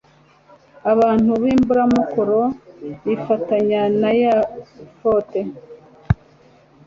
abantu b'imburamukoro bifatanya na yefute